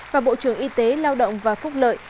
và bộ trưởng y tế lao động và phúc lợi